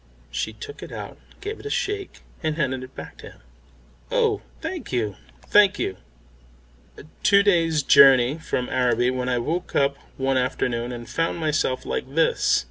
She took it out, gave it a shake, and handed it back to him. "Oh, thank you, thank you two days' journey from Araby when I woke up one afternoon and found myself like this.